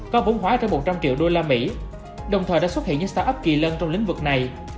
có vốn hóa trên một trăm linh triệu usd đồng thời đã xuất hiện những start up kỳ lân trong lĩnh vực này